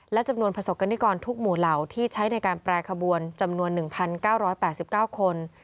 และจำนวนประสบกรณิกรทุกหมู่เหล่าที่ใช้ในการแปรขบวนจำนวน๑๙๘๙คน